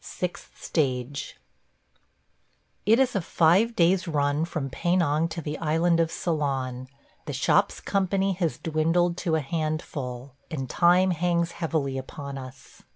SIXTH STAGE IT is a five days' run from Penang to the island of Ceylon; the shop's company has dwindled to a handful, and time hangs heavily upon us.